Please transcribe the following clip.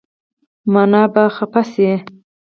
مانه به خفه شې